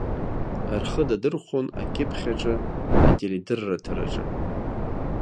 Рхы дадырхәон акьыԥхь аҿы, ателедырраҭараҿы.